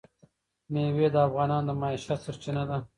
مېوې د افغانانو د معیشت سرچینه ده.